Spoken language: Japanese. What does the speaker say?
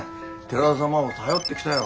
寺田様を頼ってきたよ。